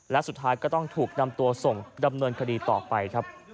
และสุดท้ายก็ต้องถูกนำตัวส่งดำเนินคดีต่อไปครับ